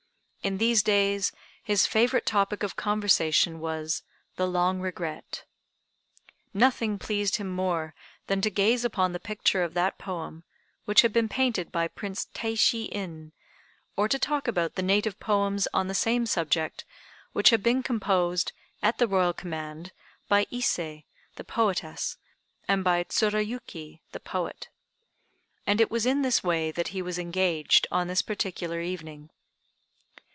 In these days his favorite topic of conversation was the "Long Regret." Nothing pleased him more than to gaze upon the picture of that poem, which had been painted by Prince Teishi In, or to talk about the native poems on the same subject, which had been composed, at the Royal command, by Ise, the poetess, and by Tsurayuki, the poet. And it was in this way that he was engaged on this particular evening.